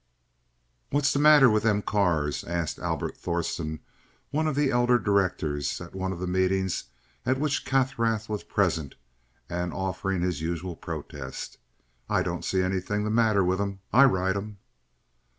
"What's the matter with them cars?" asked Albert Thorsen, one of the elder directors, at one of the meetings at which Kaffrath was present and offering his usual protest. "I don't see anything the matter with 'em. I ride in em."